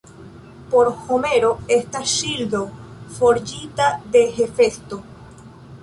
Por Homero, estas ŝildo forĝita de Hefesto.